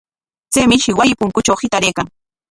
Chay mishi wasi punkutraw hitaraykan.